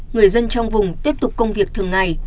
người dân trong vùng tiếp tục công việc thường ngày